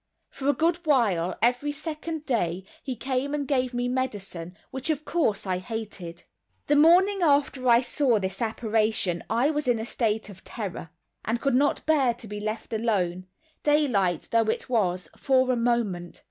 For a good while, every second day, he came and gave me medicine, which of course I hated. The morning after I saw this apparition I was in a state of terror, and could not bear to be left alone, daylight though it was, for a moment.